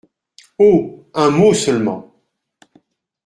Oh ! un mot seulement.